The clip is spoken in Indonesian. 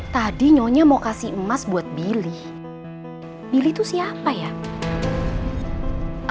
sampai jumpa di video selanjutnya